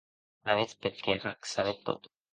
Alavetz, per qué ac sabetz tot?